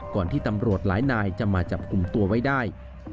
ที่ตำรวจหลายนายจะมาจับกลุ่มตัวไว้ได้